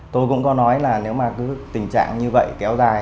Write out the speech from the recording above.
tôi cũng có nói là nếu mà tình trạng như vậy kéo dài